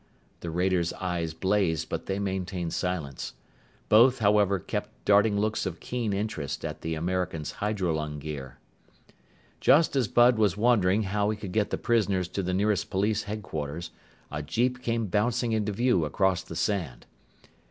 The raiders' eyes blazed, but they maintained silence. Both, however, kept darting looks of keen interest at the Americans' hydrolung gear. Just as Bud was wondering how he could get the prisoners to the nearest police headquarters, a jeep came bouncing into view across the sand.